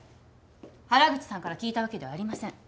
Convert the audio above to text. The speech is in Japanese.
原口さんから聞いたわけではありません。